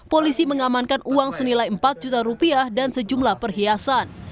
polisi mengamankan uang senilai empat juta rupiah dan sejumlah perhiasan